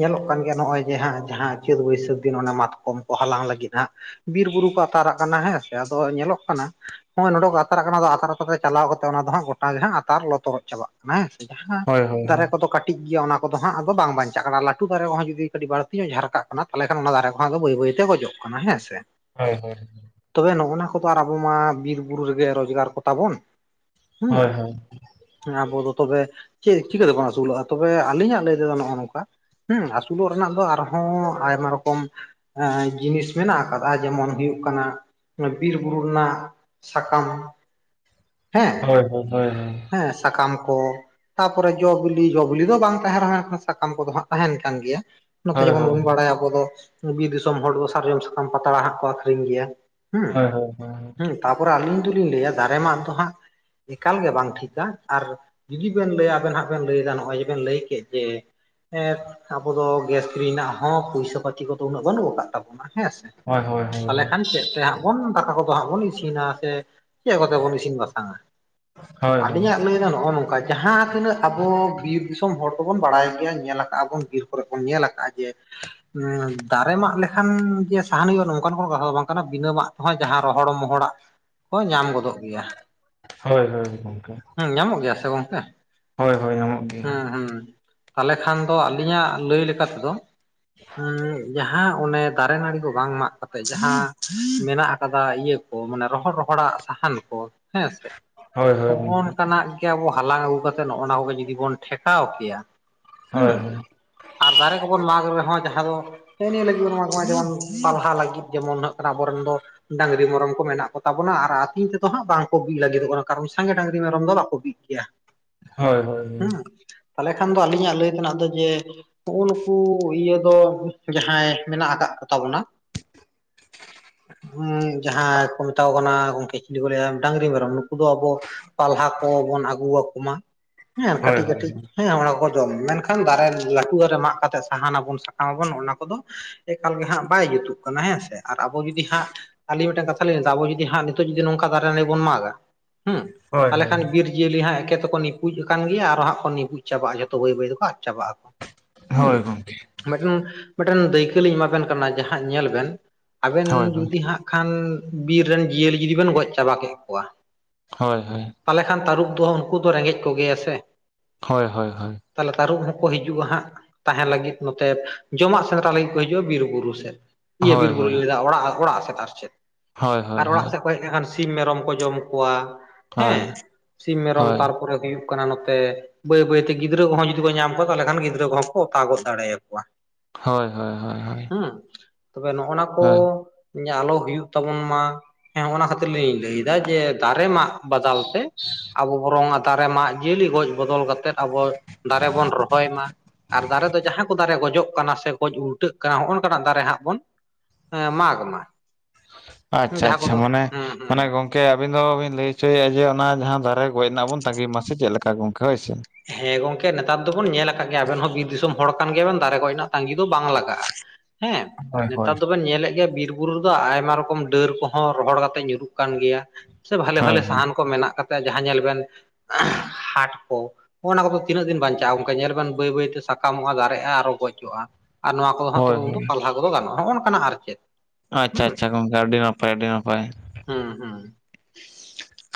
ᱧᱮᱞᱚᱜ ᱠᱟᱱ ᱜᱮᱭᱟ, ᱱᱚᱜᱼᱚᱭ ᱡᱮ ᱦᱟᱸᱜ ᱡᱟᱸᱦᱟ ᱪᱟᱹᱛ ᱵᱟᱹᱭᱥᱟᱹᱠᱷᱽ ᱫᱤᱱ ᱢᱟᱛᱠᱚᱢ ᱠᱚ ᱦᱟᱞᱟᱝ ᱞᱟᱹᱜᱤᱫ ᱦᱟᱸᱜ ᱵᱤᱨ ᱵᱩᱨᱩ ᱠᱚ ᱟᱛᱟᱨᱟᱜ ᱠᱟᱱᱟ ᱦᱮᱸ ᱥᱮ ᱟᱫᱚ ᱧᱮᱞᱚᱜ ᱠᱟᱱᱟ ᱦᱳᱭ ᱱᱚᱰᱮ ᱠᱚ ᱟᱛᱟᱨᱟᱜ ᱠᱟᱱᱟ, ᱟᱫᱚ ᱟᱛᱟᱨ ᱟᱛᱟᱨ ᱨᱮ ᱪᱟᱞᱟᱣ ᱠᱟᱛᱮ ᱚᱱᱟ ᱫᱚ ᱦᱟᱸᱜ ᱜᱚᱴᱟ ᱜᱮ ᱦᱟᱸᱜ ᱟᱛᱟᱨ ᱞᱚ ᱛᱚᱨᱚᱡ ᱪᱟᱵᱟᱜ ᱾ ᱦᱮᱸ ᱥᱮ ᱡᱟᱸᱦᱟ ᱦᱳᱭ ᱦᱳᱭ ᱫᱟᱨᱮ ᱠᱚᱫᱚ ᱠᱟᱴ ᱠᱟᱹᱴᱤᱡ ᱜᱮᱭᱟ ᱚᱱᱟ ᱠᱚᱫᱚ ᱦᱟᱸᱜ ᱟᱫᱚ ᱵᱟᱝ ᱵᱟᱧᱪᱟᱜ ᱠᱟᱱᱟ᱾ ᱞᱟᱹᱴᱩ ᱫᱟᱨᱮ ᱠᱚᱦᱚᱸ ᱡᱩᱫᱤ ᱠᱟᱹᱤᱡ ᱵᱟᱹᱲᱛᱤ ᱧᱚᱜ ᱡᱷᱟᱨᱠᱟᱜ ᱠᱟᱱᱟ, ᱛᱟᱦᱚᱞᱮ ᱠᱷᱟᱱ ᱚᱱᱟ ᱫᱟᱨᱮ ᱠᱚᱦᱚᱸ ᱟᱫᱚ ᱵᱟᱹᱭ ᱵᱟᱹᱭ ᱛᱮ ᱜᱚᱡᱚᱜ ᱪᱟᱵᱟᱜ-ᱟ᱾ ᱠᱟᱱᱟ ᱦᱮᱸ ᱥᱮ ᱦᱳᱭ ᱦᱳᱭ᱾ ᱛᱚᱵᱮ ᱱᱚᱜᱼᱱᱟ ᱠᱚᱫᱚ ᱟᱨ ᱟᱵᱚ ᱢᱟ ᱵᱤᱨ ᱵᱩᱨᱩ ᱨᱮᱜᱮ ᱨᱳᱪᱠᱟᱨ ᱠᱚᱛᱟ ᱵᱚᱱ ᱦᱮᱸ᱾ ᱦᱳᱭ ᱦᱳᱭ ᱟᱵᱚ ᱫᱚ ᱛᱚᱵᱮ ᱪᱮᱫ ᱪᱤᱠᱟᱹᱛᱮᱵᱚᱱ ᱟᱹᱥᱩᱞᱚᱜᱼᱟ? ᱛᱚᱵᱮ ᱟᱹᱞᱤᱧᱟᱜ ᱞᱟᱹᱭ ᱛᱮᱫᱚ ᱱᱚᱜᱚ ᱱᱚᱝᱠᱟ ᱦᱮᱸ ᱟᱹᱥᱩᱞᱚᱜ ᱨᱮᱱᱟᱜ ᱫᱚ ᱟᱨᱦᱚᱸ ᱟᱭᱢᱟ ᱨᱚᱠᱚᱢ ᱡᱤᱱᱤᱥ ᱢᱮᱱᱟᱜ ᱟᱠᱟᱫᱟ᱾ ᱡᱮᱢᱚᱱ ᱦᱩᱭᱩᱜ ᱠᱟᱱᱟ ᱵᱤᱨ ᱵᱩᱨᱩ ᱨᱮᱱᱟᱜ ᱥᱟᱠᱟᱢ ᱦᱮᱸ ᱦᱳᱭ ᱦᱳᱭ ᱦᱳᱭ ᱦᱮᱸ ᱥᱟᱠᱟᱢ ᱠᱚ ᱛᱟᱯᱚᱨᱮ ᱡᱚ ᱵᱤᱞᱤ ᱡᱚ ᱵᱤᱞᱤ ᱫᱚ ᱵᱟᱝ ᱛᱟᱸᱦᱮᱱ ᱨᱮᱦᱚᱸ, ᱥᱟᱠᱟᱢ ᱠᱚᱫᱚ ᱦᱟᱸᱜ ᱛᱟᱦᱮᱱ ᱠᱟᱱ ᱜᱮᱭᱟ᱾ ᱱᱚᱛᱮ ᱦᱳᱭ ᱡᱮᱢᱚᱱ ᱦᱳᱭ ᱵᱚᱱ ᱵᱟᱲᱟᱭᱟ ᱟᱵᱚ ᱫᱚ ᱵᱤᱨ ᱫᱤᱥᱚᱢ ᱦᱚᱲ ᱫᱚ ᱥᱟᱨᱡᱚᱢ ᱥᱟᱠᱟᱢ ᱯᱟᱛᱲᱟ ᱦᱟᱸᱜ ᱠᱚ ᱟᱹᱠᱷᱨᱤᱧ ᱜᱮᱭᱟ᱾ ᱦᱮᱸᱻ ᱦᱳᱭ ᱦᱳᱭ ᱦᱳᱭ ᱦᱮᱸᱻ ᱛᱟᱨᱯᱚᱨᱮ ᱟᱹᱞᱤᱧ ᱫᱚᱞᱤᱧ ᱞᱟᱹᱭᱟ ᱫᱟᱨᱮ ᱢᱟᱜ ᱫᱚ ᱦᱟᱸᱜ ᱮᱠᱟᱞ ᱜᱮ ᱵᱟᱝ ᱴᱷᱤᱠᱟ ᱟᱨ ᱡᱩᱫᱤ ᱵᱮᱱ ᱞᱟᱹᱭᱟ ᱟᱵᱮᱱ ᱦᱟᱜ ᱵᱮᱱ ᱞᱟᱹᱭᱫᱟ ᱱᱚᱜᱼᱚᱭ ᱡᱮᱵᱮᱱ ᱞᱟᱹᱭ ᱠᱮᱫ ᱡᱮ ᱦᱮᱸ ᱟᱵᱚ ᱫᱚ ᱜᱮᱥ ᱠᱤᱨᱤᱧ ᱨᱮᱱᱟᱜ ᱦᱚᱸ ᱯᱩᱭᱥᱟᱹ-ᱯᱟᱹᱛᱤ ᱠᱚᱫᱚ ᱩᱱᱟᱹᱜ ᱫᱚ ᱵᱟᱹᱱᱩᱜ ᱟᱠᱟᱫ ᱛᱟᱵᱚᱱᱟ ᱦᱮᱸ ᱥᱮ ᱾ ᱦᱳᱭ-ᱦᱳᱭ ᱛᱟᱦᱚᱞᱮ ᱠᱷᱟᱱ ᱪᱮᱫ ᱛᱮ ᱦᱟᱸᱜ ᱵᱚᱱ ᱫᱟᱠᱟ ᱠᱚᱫᱚ ᱦᱟᱸᱜ ᱵᱚᱱ ᱤᱥᱤᱱᱟ ᱥᱮ ᱪᱮᱫ ᱠᱚᱛᱮ ᱵᱚᱱ ᱤᱥᱤᱱ ᱵᱟᱥᱟᱝ-ᱟ? ᱦᱳᱭ ᱦᱳᱭ ᱟᱹᱞᱤᱧᱟᱜ ᱞᱟᱹᱭ ᱫᱚ ᱱᱚᱜ-ᱚᱭ ᱱᱚᱝᱠᱟ ᱡᱟᱸᱦᱟ ᱛᱤᱱᱟᱹᱜ ᱟᱵᱚ ᱵᱤᱨ ᱫᱤᱥᱚᱢ ᱦᱚᱲ ᱠᱚᱵᱚᱱ ᱵᱟᱲᱟᱭ ᱜᱮᱭᱟ ᱧᱮᱞ ᱟᱠᱟᱜ ᱟᱵᱚᱱ ᱵᱤᱨ ᱠᱚᱨᱮ ᱵᱚᱱ ᱧᱮᱞ ᱟᱠᱟᱜᱼᱟ ᱡᱮ ᱫᱟᱨᱮ ᱢᱟᱜ ᱞᱮᱠᱷᱟᱱ ᱜᱮᱥ ᱥᱟᱦᱟᱱ ᱦᱩᱭᱩᱜᱼᱟ ᱱᱚᱝᱠᱟᱱ ᱠᱚᱱᱚ ᱠᱟᱛᱷᱟ ᱫᱚ ᱵᱟᱝ ᱠᱟᱱᱟ ᱵᱤᱱᱟᱹᱢᱟᱜ ᱛᱮᱦᱚ ᱡᱟᱸᱦᱟ ᱨᱚᱦᱚᱲ ᱢᱚᱦᱚᱲᱟᱜ ᱠᱚ ᱧᱟᱢ ᱜᱚᱫᱚᱜ ᱜᱮᱭᱟ᱾ ᱦᱳᱭ-ᱦᱳᱭ ᱜᱚᱝᱠᱮ᱾ ᱦᱩᱸ ᱧᱟᱢᱚᱜ ᱜᱮᱭᱟ ᱥᱮ ᱜᱚᱝᱠᱮ ᱦᱳᱭ-ᱦᱳᱭ᱾ ᱦᱩᱸ-ᱦᱩᱸ ᱛᱟᱦᱚᱞᱮ ᱠᱷᱟᱱ ᱫᱚ ᱟᱹᱞᱤᱧᱟᱜ ᱞᱟᱹᱭ ᱞᱮᱠᱟ ᱛᱮᱫᱚ ᱦᱮᱸ ᱡᱟᱸᱦᱟ ᱚᱱᱮ ᱫᱟᱨᱮ ᱱᱟᱹᱲᱤ ᱠᱚ ᱵᱟᱝ ᱢᱟᱜ ᱠᱟᱛᱮ ᱡᱟᱸᱦᱟ ᱢᱮᱱᱟᱜ ᱟᱠᱟᱫᱟ ᱤᱭᱟᱹ ᱠᱚ ᱢᱟᱱᱮ ᱨᱚᱦᱚᱲ- ᱨᱚᱦᱚᱲᱟᱜ ᱥᱟᱦᱟᱱ ᱠᱚ ᱦᱮᱸ ᱥᱮ ᱦᱳᱭ ᱦᱳᱭ ᱱᱚᱜᱼ ᱜᱚᱝᱠᱮ ᱱᱚᱝᱠᱟᱱᱟᱜ ᱾ ᱟᱵᱚ ᱦᱟᱞᱟᱝ ᱟᱹᱜᱩ ᱠᱟᱛᱮ ᱱᱚᱜᱼᱚ ᱱᱟ ᱠᱚᱜᱮ ᱡᱩᱫᱤ ᱵᱚᱱ ᱴᱷᱮᱠᱟᱣ ᱠᱮᱭᱟ ᱦᱳᱭ ᱦᱮᱸ ᱦᱳᱭ ᱾ ᱟᱨ ᱫᱟᱨᱮ ᱠᱚᱵᱚᱱ ᱢᱟᱜᱽ ᱨᱮᱦᱚᱸ ᱡᱟᱦᱟᱸ ᱫᱚ ᱦᱮᱸᱼ ᱱᱤᱭᱟᱹ ᱞᱟᱹᱜᱤᱫ ᱵᱚᱱ ᱢᱟᱜ ᱢᱟ ᱡᱮᱢᱚᱱ ᱯᱟᱞᱦᱟ ᱞᱟᱹᱜᱤᱫ ᱡᱮᱢᱚᱱ ᱱᱟᱜ ᱟᱵᱚᱨᱮᱱ ᱫᱚ ᱰᱟᱹᱝᱨᱤ, ᱰᱟᱝᱨᱤ, ᱢᱮᱨᱚᱢ ᱠᱚ ᱢᱮᱱᱟᱜ ᱠᱚ ᱛᱟᱵᱚᱱᱟ ᱟᱨ ᱟᱹᱛᱤᱧ ᱛᱮᱫᱚ ᱦᱟᱸᱜ ᱵᱟᱝᱠᱚ ᱵᱤᱫ ᱞᱟᱹᱜᱤᱫᱚᱜ ᱠᱟᱱᱟ ᱟᱨ ᱥᱟᱸᱜᱮ ᱰᱟᱹᱝᱨᱤ, ᱢᱮᱨᱚᱢ ᱫᱚ ᱵᱟᱠᱚ ᱵᱤᱜ ᱜᱮᱭᱟ ᱾ ᱪᱮᱫ ᱦᱚᱸ ᱵᱟᱝ ᱟᱸᱡᱚᱢᱚᱜ ᱠᱟᱱᱟ ᱦᱮᱸᱻ ᱛᱟᱦᱞᱮ ᱠᱷᱟᱱ ᱫᱚ ᱟᱹᱞᱤᱧᱟᱜ ᱞᱟᱹᱭ ᱛᱮᱱᱟᱜ ᱫᱚ ᱡᱮ, ᱱᱚᱜᱼᱚ ᱱᱩᱠᱩ ᱤᱭᱟᱹ ᱫᱚ ᱡᱟᱦᱟᱸᱭ ᱢᱮᱱᱟᱜ ᱟᱠᱟᱫ, ᱛᱟᱵᱚᱱᱟ ᱡᱟᱦᱟᱸ ᱠᱚ ᱢᱮᱛᱟ ᱠᱚ ᱠᱟᱱᱟ ᱜᱚᱝᱠᱮ ᱠᱤᱪᱷᱩ ᱠᱚ ᱞᱟᱹᱭᱟ ᱰᱟᱝᱨᱤ, ᱢᱮᱨᱚᱢ ᱱᱩᱠᱩ ᱫᱚ ᱟᱵᱚ, ᱯᱟᱞᱦᱟ ᱠᱚᱵᱚᱱ ᱟᱹᱜᱩ ᱟᱠᱚ ᱢᱟ ᱦᱮᱸᱻ ᱦᱳᱭ ᱦᱳᱭ ᱠᱟᱹᱴᱤᱡ-ᱠᱟᱹᱴᱤᱡ ᱾ ᱦᱮᱸᱻ ᱚᱱᱟᱠᱚ ᱡᱚᱢ ᱢᱮᱱᱠᱷᱟᱱ ᱫᱟᱨᱮ ᱞᱟᱹᱴᱣᱟᱹ ᱫᱟᱨᱮ ᱢᱟᱜ ᱠᱟᱛᱮᱜ ᱥᱟᱦᱟᱱ ᱟᱵᱚᱱ, ᱥᱟᱠᱟᱢ ᱟᱵᱚᱱ ᱚᱱᱟ ᱠᱚᱫᱚ, ᱮᱠᱟᱞ ᱜᱮ ᱦᱟᱸᱜ ᱵᱟᱭ ᱡᱩᱛᱩᱜ ᱠᱟᱱᱟ ᱦᱮᱸ ᱥᱮ ᱟᱨ ᱟᱵᱚ ᱡᱩᱫᱤ ᱦᱟᱸᱜ, ᱟᱹᱞᱤᱧ ᱢᱤᱫᱴᱟᱹᱝ ᱠᱟᱛᱷᱟᱞᱤᱧ ᱞᱟᱹᱭᱫᱟ, ‌ᱟᱵᱚ ᱡᱩᱫᱤ ᱦᱟᱸᱜ ᱱᱤᱛᱚᱜ ᱡᱩᱫᱤ ᱱᱚᱝᱠᱟ ᱫᱟᱨᱮ ᱱᱟᱹᱲᱤ ᱵᱚᱱ ᱢᱟᱜᱟ ᱦᱮᱸ ᱦᱳᱭ ᱛᱟᱦᱚᱞᱮ ᱠᱷᱟᱱ ᱵᱤᱨ, ᱡᱤᱭᱟᱹᱞᱤ ᱦᱟᱜ ᱮᱠᱮ ᱛᱮᱠᱚ ᱱᱤᱯᱩᱡ ᱟᱠᱟᱱ ᱜᱮ ᱟᱨᱚᱟᱸᱜ ᱠᱚ ᱱᱤᱯᱩᱡ ᱪᱟᱵᱟ ᱡᱚᱛᱚ ᱵᱟᱹᱭ-ᱵᱟᱹᱭ ᱛᱮᱠᱚ ᱟᱫ ᱪᱟᱵᱟ ᱟᱠᱚ ᱾ ᱦᱮᱸ ᱦᱳᱭ, ᱜᱚᱝᱠᱮ ᱢᱤᱫᱴᱮᱱ-ᱢᱤᱫᱴᱮᱱ ᱫᱟᱹᱭᱠᱟᱹ ᱞᱤᱧ ᱮᱢᱟᱵᱮᱱ ᱠᱟᱱᱟ ᱡᱟᱦᱟᱸ ᱧᱮᱞ ᱵᱮᱱ, ᱟᱵᱮᱱ ᱦᱳᱭ ᱦᱳᱭ ᱡᱩᱫᱤ ᱦᱟᱸᱜ ᱠᱷᱟᱱ ᱵᱤᱨ ᱨᱮᱱ ᱡᱤᱭᱟᱹᱞᱤ ᱡᱩᱫᱤ ᱵᱮᱱ ᱜᱚᱡ ᱪᱟᱵᱟ ᱠᱮᱫ ᱠᱚᱣᱟ ᱾ ᱦᱳᱭ ᱦᱳᱭ ᱦᱳᱭ ᱛᱟᱦᱚᱞᱮ ᱠᱷᱟᱱ ᱛᱟᱹᱨᱩᱵ ᱫᱚᱦ ᱩᱱᱠᱩ ᱫᱚ ᱨᱮᱸᱜᱮᱡ ᱠᱚᱜᱮᱭᱟ ᱥᱮ? ᱦᱳᱭ-ᱦᱳᱭ, ᱦᱳᱭ ᱾ ᱛᱟᱦᱚᱞᱮ ᱛᱟᱹᱨᱩᱵ ᱦᱚᱸᱠᱚ ᱦᱤᱡᱩᱜᱼᱟ ᱦᱟᱸᱜ ᱛᱟᱦᱮᱱ ᱞᱟᱹᱜᱤᱫ ᱱᱚᱛᱮ ᱡᱚᱢᱟᱜ ᱥᱮᱸᱫᱽᱨᱟ ᱞᱟᱹᱜᱤᱫ ᱠᱚ ᱦᱤᱡᱩᱜᱼᱟ ᱵᱤᱨ-ᱵᱩᱨᱩ ᱥᱮᱫ ᱾ ᱤᱭᱟᱹ ᱦᱳᱭ ᱵᱤᱨ-ᱵᱩᱨᱩᱧ ᱞᱟᱹᱭᱫᱟ ᱚᱲᱟᱜ, ᱚᱲᱟᱜ ᱥᱮᱫ ᱟᱨ ᱪᱮᱫ ᱟᱨ ᱚᱲᱟᱜ ᱥᱮᱫ ᱾ ᱠᱚ ᱦᱮᱡ ᱞᱮᱱᱠᱷᱟᱱ ᱥᱤᱢ, ᱢᱮᱨᱚᱢ ᱠᱚ ᱡᱚᱢ ᱠᱚᱣᱟ ᱦᱮᱸ ᱥᱤᱢ, ᱢᱮᱨᱚᱢ ᱛᱟᱨᱯᱚᱨᱮ ᱦᱩᱭᱩᱜ ᱠᱟᱱᱟ, ᱠᱟᱱᱟ ᱱᱚᱛᱮ ᱵᱟᱹᱭ-ᱵᱟᱹᱭᱛᱮ ᱜᱤᱫᱽᱨᱟᱹ ᱠᱚᱦᱚᱸ ᱡᱩᱫᱤ ᱠᱚ ᱧᱟᱢ ᱠᱚᱣᱟ ᱛᱟᱦᱚᱞᱮ ᱠᱷᱟᱱ ᱜᱤᱫᱽᱨᱟᱹ ᱠᱚᱦᱚᱸ ᱚᱛᱟᱜᱚᱫ ᱫᱟᱲᱮᱭᱟᱠᱚᱣᱟ ᱾ ᱦᱳᱭ-ᱦᱳᱭ-ᱦᱳᱭ-ᱦᱳᱭ ᱦᱮᱸᱻ ᱛᱚᱵᱮ ᱱᱚᱜᱼ ᱱᱟ ᱠᱚ ᱟᱞᱚ ᱦᱩᱭᱩᱜ ᱛᱟᱵᱚᱱ ᱢᱟ ᱾ ᱦᱮᱸᱻ ᱚᱱᱟ ᱠᱷᱟᱹᱛᱤᱨ ᱞᱤᱧ ᱞᱟᱹᱭᱫᱟ ᱡᱮ ᱫᱟᱨᱮ ᱢᱟᱜ ᱵᱚᱫᱟᱞ ᱛᱮ, ᱟᱵᱚ ᱵᱚᱨᱚᱝ ᱫᱟᱨᱮ ᱢᱟ ᱡᱤᱭᱟᱹᱞᱤ ᱜᱚᱡ ᱵᱚᱫᱚᱞ ᱠᱟᱛᱮᱫ ᱟᱵᱚ ᱫᱟᱨᱮ ᱵᱚᱱ ᱨᱚᱦᱚᱭ ᱢᱟ ᱾ ᱟᱨ ᱫᱟᱨᱮ ᱫᱚ ᱡᱟᱦᱟᱸ ᱠᱚ ᱫᱟᱨᱮ ᱜᱚᱡᱚᱜ ᱠᱟᱱᱟ ᱥᱮ ᱜᱚᱡ ᱩᱞᱴᱟᱹᱜ ᱠᱟᱱᱟ ᱦᱚᱸᱜᱼᱚ ᱱᱚᱝᱠᱟᱱᱟᱜ ᱫᱟᱨᱮ ᱦᱟᱸᱜ, ᱵᱚᱱ ᱢᱟᱜᱽ-ᱢᱟ ᱾ ᱟᱪᱷᱟ-ᱟᱪᱷᱟ ᱢᱟᱱᱮ ᱢᱟᱱᱮ ᱦᱩᱸ ᱜᱚᱝ ᱜᱚᱢᱠᱮ ᱟᱵᱤᱱ ᱫᱚᱵᱤᱱ ᱞᱟᱹᱭ ᱦᱚᱪᱚᱭᱮᱫᱼᱟ ᱡᱮ ᱚᱱᱟ ᱡᱟᱦᱟᱸ ᱫᱟᱨᱮ ᱜᱚᱡ ᱨᱮᱱᱟᱜ ᱵᱚᱱ ᱛᱟᱺᱜᱤ ᱢᱟᱥ ᱥᱮ ᱪᱮᱫ ᱞᱮᱠᱟ ᱜᱚᱢᱠᱮ ᱦᱳᱭ ᱥᱮ᱾ ᱦᱮᱸᱻ ᱜᱚᱝᱠᱮ ᱱᱮᱛᱟᱨ ᱫᱚᱵᱚᱱ ᱧᱮᱞ ᱟᱠᱟᱫ ᱜᱮᱭᱟ ᱟᱵᱮᱱ ᱦᱚᱸ ᱵᱤᱨ ᱫᱤᱥᱚᱢ, ᱦᱚᱲ ᱠᱟᱱ ᱜᱮᱭᱟ ᱵᱮᱱ ᱫᱟᱨᱮ ᱜᱚᱡ ᱨᱮᱱᱟᱜ ᱛᱟᱸᱜᱤ ᱫᱚ ᱵᱟᱝ ᱞᱟᱜᱟᱜᱼᱟ ᱦᱮᱸ ᱦᱳᱭ ᱱᱮᱛᱟᱨ ᱦᱳᱭ ᱫᱚᱵᱮᱱ ᱧᱮᱞᱮᱫ ᱜᱮᱭᱟ ᱾ ᱵᱤᱨ, ᱵᱩᱨᱩ ᱨᱮᱫᱚ ᱟᱭᱢᱟ ᱨᱚᱠᱚᱢ ᱰᱟᱹᱨ ᱠᱚᱦᱚᱸ ᱨᱚᱦᱚᱲ ᱠᱟᱛᱮ ᱧᱩᱨᱩᱜ ᱠᱟᱱ ᱜᱮᱭᱟ ᱥᱮ ᱵᱷᱟᱞᱮ ᱵᱷᱟᱞᱮ ᱦᱳᱭ ᱥᱟᱦᱟᱱ ᱠᱚ ᱢᱮᱱᱟᱜ ᱟᱠᱟᱫ ᱾ ᱡᱟᱦᱟᱸ ᱧᱮᱞ ᱵᱮᱱ ᱦᱮᱸᱻᱻᱦᱟᱴ ᱠᱚ ᱾ ᱦᱚᱸᱚᱱᱟ ᱠᱚᱫᱚ ᱛᱤᱱᱟᱹᱜ ᱫᱤᱱ ᱵᱟᱧᱪᱟᱜᱼᱟ ᱚᱱᱠᱟ ᱧᱮᱞ ᱵᱮᱱ ᱵᱟᱹᱭ ᱵᱟᱹᱭ ᱛᱮ ᱥᱟᱠᱟᱢᱚᱜᱼᱟ ᱫᱟᱨᱮᱜᱼᱟ ᱟᱨᱦᱚᱸᱜᱚᱡ ᱠᱚᱜᱼᱟ ᱾ ᱟᱨ ᱱᱚᱣᱟ ᱠᱚᱫᱚ ᱦᱟᱸᱜ ᱛᱚ ᱦᱳᱭ ᱩᱱᱫᱚ ᱯᱟᱞᱦᱟ ᱠᱚᱫᱚ ᱜᱟᱱᱚᱜᱼᱟ, ᱚᱱᱠᱟᱱᱟᱜ ᱟᱨ ᱪᱮᱫ? ᱟᱪᱪᱷᱟ ᱦᱩᱸ ᱟᱪᱪᱷᱟ ᱜᱚᱢᱠᱮ ᱟᱹᱰᱤ ᱱᱟᱯᱟᱭ ᱟᱹᱰᱤ ᱱᱟᱯᱟᱭ ᱦᱩᱸ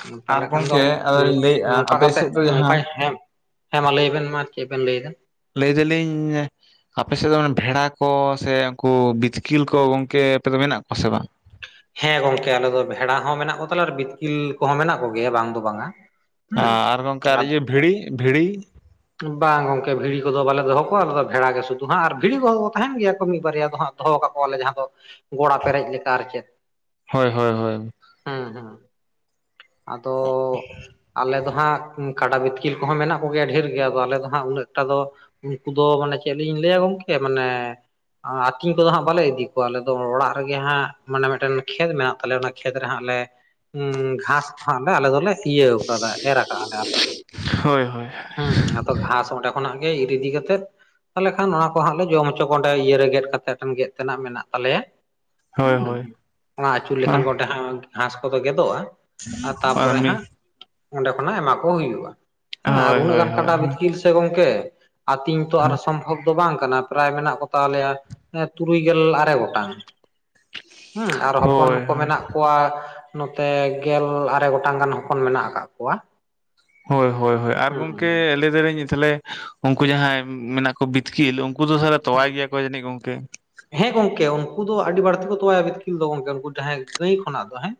ᱦᱩᱸ ᱟᱨ ᱛᱟᱦᱚᱞᱮ ᱠᱷᱟᱱ ᱫᱚ ᱜᱚᱢᱠᱮ ᱟᱫᱚᱧ ᱞᱟᱹᱭ ᱮᱫᱼᱟ ᱱᱚᱝᱠᱟ ᱟᱯᱮ ᱠᱟᱛᱮᱜ ᱥᱮᱫ ᱫᱚ ᱱᱚᱝᱠᱟ ᱡᱟᱦᱟᱸ, ᱦᱮᱸ ᱦᱮᱸ ᱢᱟ ᱞᱟᱹᱭ ᱵᱮᱱ ᱢᱟ ᱪᱮᱫ? ᱵᱮᱱ ᱞᱟᱹᱭ‌ ᱮᱫᱟ ᱾ ᱞᱟᱹᱭ ᱮᱫᱟ ᱞᱤᱧ ᱾ ᱟᱯᱮᱥᱮᱫ ᱫᱚ ᱢᱟᱱᱮ ᱵᱷᱮᱲᱟ ᱠᱚ ᱥᱮ ᱩᱱᱠᱩ ᱵᱤᱛᱠᱤᱞ ᱠᱚ ᱜᱚᱢᱠᱮ ᱟᱯᱮ ᱫᱚ ᱢᱮᱱᱟᱜ ᱠᱚᱣᱟ ᱥᱮ ᱵᱟᱝ? ᱦᱮᱸ ᱜᱚᱢᱠᱮ ᱟᱞᱮ ᱫᱚ ᱵᱷᱮᱲᱟ ᱦᱚᱸ ᱢᱮᱱᱟᱜ ᱠᱚ ᱛᱟᱞᱮᱭᱟ ᱟᱨ ᱵᱤᱛᱠᱤᱞ ᱠᱚᱦᱚᱸ ᱢᱮᱱᱟᱜ ᱠᱚ ᱜᱮᱭᱟ ᱵᱟᱝ ᱫᱚ ᱵᱟᱝᱟ ᱾ ᱟᱨ ᱜᱚᱢᱠᱮ ᱟᱨ ᱤᱭᱟᱹ ᱵᱷᱤᱲᱤ ᱵᱷᱤᱲᱤ, ᱵᱟᱝ ᱜᱚᱢᱠᱮ ᱵᱷᱤᱲᱤ ᱠᱚᱫᱚ ᱵᱟᱞᱮ ᱫᱚᱦᱚ ᱠᱚᱣᱟ ᱟᱞᱮ ᱫᱚ ᱵᱷᱮᱲᱟ ᱜᱮ ᱥᱩᱫᱩ ᱦᱟᱸᱜ ᱵᱷᱤᱲᱤ ᱠᱚᱦᱚᱸ ᱠᱚ ᱛᱟᱦᱮᱱ ᱜᱮᱭᱟ ᱠᱚ ᱢᱤᱫ ᱵᱟᱨᱭᱟ ᱫᱚ ᱦᱟᱸᱜ ᱾ ᱫᱚᱦᱚ ᱠᱟᱠᱚᱣᱟᱞᱮ ᱡᱟᱦᱟᱸ ᱫᱚ ᱜᱚᱲᱟ ᱯᱮᱨᱮᱡ ᱞᱮᱠᱟ ᱟᱨ ᱪᱮᱫ ᱾ ᱦᱳᱭ ᱦᱳᱭ ᱦᱳᱭ, ᱦᱮᱸ ᱦᱮᱸ ᱟᱫᱚ ᱟᱞᱮ ᱫᱚ ᱦᱟᱸᱜ, ᱠᱟᱰᱟ ᱵᱤᱛᱠᱤᱞ ᱠᱚᱦᱚᱸ ᱢᱮᱱᱟᱜ ᱠᱚᱜᱮᱭᱟ ᱰᱷᱮᱨ ᱜᱮ ᱟᱫᱚ ᱟᱞᱮ ᱫᱚ ᱦᱟᱸᱜ ᱩᱱᱟᱹᱜ ᱮᱴᱟ ᱫᱚ, ᱩᱱᱠᱩ ᱫᱚ ᱢᱟᱱᱮ ᱪᱮᱫ ᱞᱤᱧ ᱞᱟᱹᱭᱟ ᱜᱚᱢᱠᱮ ᱢᱟᱱᱮ ᱟᱹᱛᱤᱧ ᱠᱚᱫᱚ ᱦᱟᱸᱜ ᱵᱟᱞᱮ ᱤᱫᱤ ᱠᱚᱣᱟ ᱟᱞᱮ ᱫᱚ ᱚᱲᱟᱜ ᱨᱮᱜᱮ ᱦᱟᱸᱜ ᱢᱟᱱᱮ ᱢᱤᱫᱴᱮᱱ ᱠᱷᱮᱛ ᱢᱮᱱᱟᱜ ᱛᱟᱞᱮᱭᱟ ᱚᱱᱟ ᱠᱷᱮᱛ ᱨᱮ ᱦᱟᱸᱜ ᱞᱮ ᱜᱷᱟᱥ ᱟᱞᱮ ᱫᱚᱞᱮ ᱤᱭᱟᱹ ᱠᱟᱫᱟ ᱮᱨ ᱟᱠᱟᱫ ᱟᱞᱮ ᱟᱨ ᱪᱮᱫ? ᱦᱳᱭ ᱦᱳᱭ ᱦᱩᱸ ᱟᱫᱚ ᱜᱷᱟᱥ ᱚᱸᱰᱮ ᱠᱷᱚᱱᱟᱜ ᱜᱮ ᱤᱨ ᱤᱫᱤ ᱠᱟᱛᱮᱫ ᱛᱟᱦᱚᱞᱮ ᱠᱷᱟᱱ ᱚᱱᱟ ᱠᱚ ᱦᱟᱸᱜ ᱞᱮ ᱡᱚᱢ ᱦᱚᱪᱚ ᱠᱚᱣᱟ ᱚᱸᱰᱮ ᱤᱭᱟᱹᱨᱮ ᱜᱮᱫ ᱠᱟᱛᱮ ᱠᱷᱟᱱ ᱜᱮᱫ ᱛᱮᱱᱟᱜ ᱢᱮᱱᱟᱜ ᱛᱟᱞᱮᱭᱟ ᱾ ᱦᱳᱭ ᱦᱳᱭ᱾ ᱚᱱᱟ ᱟᱹᱪᱩᱨ ᱞᱮᱠᱷᱟᱱ ᱚᱸᱰᱮ ᱜᱷᱟᱥ ᱠᱚᱫᱚ ᱜᱮᱫᱚᱜᱼᱟ [unintelligible] ᱟᱨ ᱛᱟᱨᱯᱚᱨᱮ ᱦᱟᱸᱜ ᱚᱸᱰᱮ ᱠᱷᱚᱱᱟᱜ ᱮᱢᱟ ᱠᱚ ᱦᱩᱭᱩᱜᱼᱟ, ᱦᱮᱸ ᱟᱨ ᱦᱳᱭ ᱩᱱᱟᱹᱜ ᱦᱳᱭ ᱜᱟᱱ ᱦᱳᱭ ᱠᱟᱰᱟ ᱵᱤᱛᱠᱤᱞ ᱜᱚᱢᱠᱮ ᱟᱛᱤᱧ ᱛᱚ ᱟᱨ ᱦᱳᱭ ᱥᱚᱢᱵᱷᱚᱵ, ᱫᱚ ᱵᱟᱝ ᱠᱟᱱᱟ ᱯᱨᱟᱭ ᱢᱮᱱᱟᱜ ᱠᱚ ᱛᱟᱞᱮᱭᱟ ᱛᱩᱨᱩᱭ ᱜᱮᱞ ᱟᱨᱮ ᱜᱚᱴᱟᱝ ᱾ ᱦᱮᱸ ᱟᱨ ᱦᱚᱯᱚᱱ ᱠᱚ ᱢᱮᱱᱟᱜ ᱦᱳᱭ ᱠᱚᱣᱟ, ᱱᱚᱛᱮ ᱜᱮᱞ ᱟᱨᱮ ᱜᱚᱴᱟᱝ ᱜᱟᱱ ᱦᱚᱯᱚᱱ ᱢᱮᱱᱟᱜ ᱟᱠᱟᱫ ᱠᱚᱣᱟ ᱾ ᱦᱳᱭ ᱦᱳᱭ ᱦᱳᱭ ᱟᱨ ᱜᱚᱢᱠᱮ ᱞᱟᱹᱭ ᱮᱫᱟᱞᱤᱧ ᱛᱟᱦᱞᱮ ᱩᱱᱠᱩ ᱡᱟᱦᱟᱸᱭ ᱢᱮᱱᱟᱜ ᱠᱚ ᱠᱚ ᱵᱤᱛᱠᱤᱞ ᱩᱱᱠᱩ ᱫᱚ ᱛᱟᱦᱞᱮ ᱦᱮᱸ ᱛᱚᱣᱟᱭ ᱜᱮᱭᱟ ᱠᱚ ᱡᱟᱹᱱᱤᱡ ᱜᱚᱢᱠᱮ ᱦᱮᱸ ᱜᱚᱝᱠᱮ ᱩᱱᱠᱩ ᱫᱚ ᱟᱹᱰᱤ ᱵᱟᱹᱲᱛᱤ ᱠᱚ ᱛᱚᱣᱟᱭᱟ ᱵᱤᱛᱠᱤᱞ ᱫᱚ ᱜᱚᱝᱠᱮ ᱩᱱᱠᱩ ᱡᱟᱦᱟᱸᱭ ᱜᱟᱹᱭ ᱠᱷᱚᱱᱟᱜ ᱫᱚ ᱦᱮᱸ,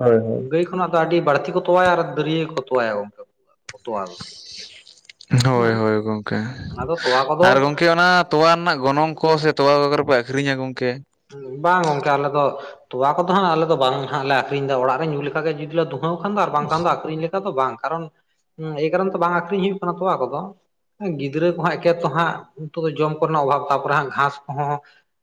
ᱦᱳᱭ ᱦᱳᱭ ᱜᱟᱹᱭ ᱠᱷᱚᱱᱟᱜ ᱫᱚ ᱟᱹᱰᱤ ᱵᱟᱹᱲᱛᱤ ᱠᱚ ᱛᱚᱣᱟᱭᱟ ᱟᱨ ᱫᱟᱹᱨᱭᱟᱹ ᱜᱮ ᱠᱚ ᱛᱚᱣᱟᱭᱟ ᱜᱚᱢᱠᱮ ᱾ [unintelligible] ᱦᱳᱭ ᱦᱮᱸ ᱦᱳᱭ ᱜᱚᱝᱠᱮ ᱟᱫᱚ ᱛᱚᱣᱟ [unintelligible] ᱠᱚᱫᱚ ᱟᱨ ᱜᱚᱝᱠᱮ ᱚᱱᱟ ᱛᱚᱣᱟ ᱨᱮᱱᱟᱜ ᱜᱚᱱᱚᱝ ᱠᱚ ᱥᱮ ᱛᱚᱣᱟ ᱠᱚ ᱚᱠᱟᱨᱮᱯᱮ ᱟᱠᱷᱨᱤᱧᱟ ᱜᱚᱝᱠᱮ ᱵᱟᱝ ᱜᱚᱝᱠᱮ ᱟᱞᱮ ᱫᱚ ᱛᱚᱣᱟ ᱠᱚᱫᱚ ᱦᱟᱸᱜ ᱟᱞᱮ ᱫᱚ ᱵᱟᱝ ᱦᱟᱸᱜ ᱞᱮ ᱟᱠᱷᱨᱤᱧ ᱮᱫᱟ ᱚᱲᱟᱜ ᱨᱮ ᱧᱩ ᱞᱮᱠᱷᱟ ᱜᱮ ᱡᱩᱫᱤ ᱞᱮ ᱫᱩᱠ, ᱦᱚᱭ ᱠᱷᱟᱱ ᱫᱚ ᱵᱟᱝᱠᱷᱟᱱ ᱫᱚ ᱟᱠᱷᱨᱤᱧ ᱞᱮᱠᱟ ᱫᱚ ᱵᱟᱝ ᱮᱭ ᱠᱟᱨᱚᱱ ᱛᱮ ᱵᱟᱝ ᱟᱠᱷᱨᱤᱧ ᱦᱩᱭᱩᱜ ᱠᱟᱱᱟ ᱛᱚᱣᱟ ᱠᱚᱫᱚ ᱜᱤᱫᱽᱨᱟᱹ ᱠᱚ ᱮᱠᱮᱛᱚ ᱦᱟᱸᱜ ᱱᱤᱛᱚᱜ ᱫᱚ ᱡᱚᱢ ᱠᱚᱨᱮᱱᱟᱜ ᱚᱵᱷᱟᱵᱽ ᱛᱟᱯᱚᱨᱮ ᱦᱟᱸᱜ ᱜᱷᱟᱸᱥ ᱠᱚᱦᱚᱸ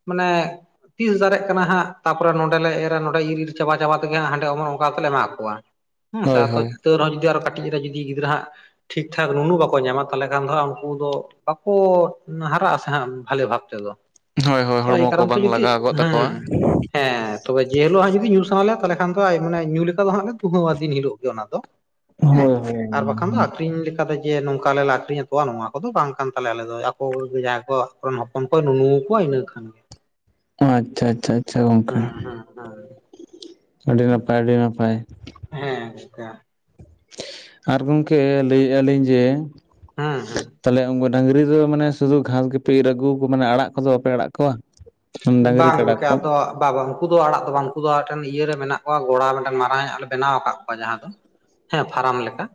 ᱢᱟᱱᱮ ᱛᱤᱥ ᱫᱟᱨᱮᱜ ᱠᱟᱱᱟ ᱦᱟᱸᱜ ᱛᱟᱯᱚᱨᱮ ᱱᱚᱸᱰᱮ ᱞᱮ ᱮᱨᱟ ᱱᱚᱰᱮ ᱤᱨ ᱤᱨ ᱪᱟᱵᱟ ᱪᱟᱵᱟ ᱛᱮᱜ ᱦᱟᱸᱜ ᱦᱟᱸᱰᱮ ᱚᱢᱚᱱ ᱚᱱᱠᱟ ᱠᱟᱛᱮᱞᱮ ᱮᱢᱟ ᱠᱚᱣᱟ [inaudible] ᱦᱮᱸ! ᱥᱟᱛ ᱛᱚᱡ ᱛᱚ ᱨᱮ ᱦᱚᱸ, ᱡᱩᱫᱤ ᱟᱨᱚ ᱠᱟᱹᱴᱤᱡ ᱨᱮ, ᱡᱩᱫᱤ ᱜᱤᱫᱽᱟᱨᱟᱹ ᱦᱟᱜ ᱴᱷᱤᱠ ᱴᱷᱟᱠ ᱱᱩᱱᱩ ᱵᱟᱠᱚ ᱧᱟᱢᱟ ᱛᱟᱦᱚᱞᱮ ᱠᱷᱟᱱ ᱫᱚ ᱦᱟᱸᱜ ᱩᱱᱠᱩ ᱫᱚ ᱵᱟᱠᱚ ᱦᱟᱨᱟᱜᱼᱟᱥᱮ ᱦᱟᱸᱜ ᱵᱷᱟᱞᱮ ᱵᱷᱟᱵᱽ ᱾ ᱛᱮ ᱫᱚ, ᱦᱳᱭ ᱦᱳᱭ ᱦᱚᱲᱢᱚ ᱠᱚ ᱵᱟᱝ ᱞᱟᱜᱟᱣ ᱜᱚᱫ ᱛᱟᱠᱚᱣᱟ ᱾ ᱦᱮᱸ ᱛᱚᱵᱮ ᱡᱮ ᱦᱤᱞᱳᱜ ᱦᱟᱸᱜ ᱡᱩᱫᱤ ᱧᱩ ᱥᱟᱱᱟᱞᱮᱭᱟ ᱛᱟᱵᱮ ᱠᱷᱟᱱ ᱫᱚ ᱧᱩ ᱞᱮᱠᱟ ᱫᱚ ᱦᱟᱸᱜ ᱞᱮ ᱫᱩᱦᱟᱹᱣᱟ, ᱫᱤᱱ ᱦᱤᱞᱳᱜ ᱜᱮ ᱚᱱᱟ ᱫᱚ ᱦᱮᱸ ᱦᱮᱸ ᱦᱳᱭ ᱦᱳᱭ ᱟᱨ ᱵᱟᱠᱷᱟᱱ ᱫᱚ ᱟᱠᱷᱨᱤᱧ ᱞᱮᱠᱟ ᱫᱚ, ᱡᱮ ᱱᱚᱝᱠᱟᱞᱮ ᱟᱠᱷᱨᱤᱧᱟᱠᱚᱣᱟ ᱱᱚᱣᱟ ᱠᱚᱫᱚ ᱵᱟᱝ ᱠᱟᱱ ᱛᱟᱞᱮᱭᱟ ᱟᱞᱮ ᱫᱚ ᱟᱠᱚ ᱡᱟᱦᱟᱸᱭ ᱠᱚ ᱟᱠᱚᱨᱮᱱ ᱦᱚᱯ ᱦᱚᱯᱚᱱ ᱠᱚᱭ ᱱᱩᱱᱩ ᱟᱠᱚᱣᱟ ᱤᱱᱟᱹ ᱠᱷᱟᱱ ᱳ ᱟᱪᱪᱷᱟ ᱟᱪᱪᱷᱟ ᱟᱪᱚ ᱦᱮᱸ ᱦᱮᱸ ᱦᱮᱸ ᱟᱹᱰᱤ ᱱᱟᱯᱟᱭ ᱟᱹᱰᱤ ᱱᱟᱯᱟᱭ ᱦᱮᱸ ᱟᱪᱪᱷᱟ ᱟᱨ ᱜᱚᱢᱠᱮ ᱞᱟᱹᱭᱮᱜ ᱟᱹᱞᱤᱧ ᱡᱮ ᱦᱩᱸ ᱦᱩᱸ ᱛᱟᱦᱚᱞᱮ ᱩᱱᱠᱩ ᱰᱟᱹᱝᱨᱤ ᱫᱚ ᱢᱟᱱᱮ ᱥᱩᱫᱩ ᱜᱷᱟᱥ ᱜᱮᱯᱮ ᱤᱨ ᱟᱹᱜᱩᱣᱟ ᱢᱟᱱᱮ ᱟᱲᱟᱜ ᱠᱚᱫᱚ ᱵᱟᱯᱮ ᱟᱲᱟᱜ ᱠᱚᱣᱟ ᱰᱟᱹᱝᱨᱤ ᱵᱟᱝ ᱠᱟᱰᱟ ᱜᱚᱝᱠᱮ ᱠᱚ ᱟᱫᱚ ᱵᱟ ᱵᱟ ᱩᱱᱠᱩ ᱫᱚ ᱟᱲᱟᱜ ᱫᱚ ᱵᱟᱝ ᱩᱱᱠᱩ ᱫᱚ ᱢᱮᱫᱴᱮᱱ ᱤᱭᱟᱹ ᱨᱮ ᱢᱮᱱᱟᱜ ᱠᱚᱣᱟ ᱜᱚᱲᱟ ᱢᱮᱫᱴᱮᱱ ᱢᱟᱨᱟᱝ ᱟᱜ ᱞᱮ ᱵᱮᱱᱟᱣ ᱟᱠᱟᱫ ᱠᱚᱣᱟ ᱡᱟᱦᱟᱸ ᱫᱚ ᱦᱮᱸ ᱯᱷᱟᱨᱟᱢ ᱞᱮᱠᱟ